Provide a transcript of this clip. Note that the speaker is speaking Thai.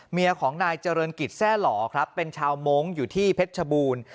เมียของนายเจริญกิจแซ่หล่อครับเป็นชาวมงค์อยู่ที่เพชรชบูรณ์